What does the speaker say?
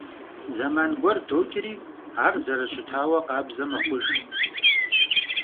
Зэман гуэр докӀри, ар зэрыщытауэ къабзэ мэхъуж.